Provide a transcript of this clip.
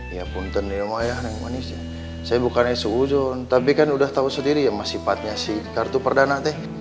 ya pun tenang ya neng manisnya saya bukannya suuzon tapi kan udah tau sendiri ya masifatnya si kartu perdagangan